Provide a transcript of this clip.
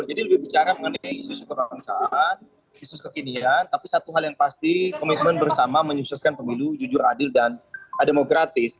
jadi lebih bicara mengenai isu sukarela pengsaan isu kekinian tapi satu hal yang pasti komitmen bersama menyususkan pemilu jujur adil dan demokratis